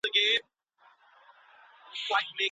شاه فولادي ټیټ غره نه دی.